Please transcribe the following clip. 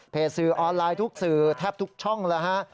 สื่อออนไลน์ทุกสื่อแทบทุกช่องแล้วฮะ